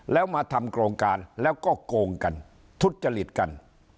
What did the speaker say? แล้วมาทำโครงการแล้วก็โกงกันทุจจริตกัน